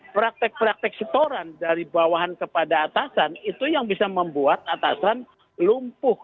praktek praktek setoran dari bawahan kepada atasan itu yang bisa membuat atasan lumpuh